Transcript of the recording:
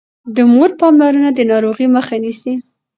د مور پاملرنه د ناروغۍ مخه نيسي.